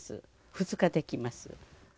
２日できます。